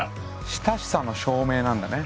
親しさの証明なんだね。